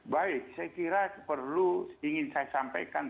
baik saya kira perlu ingin saya sampaikan